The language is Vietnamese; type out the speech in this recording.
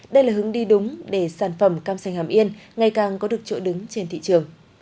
đây là hướng đi đúng để sản phẩm cam sành hàm yên ngày càng có được chỗ đứng trên thị trường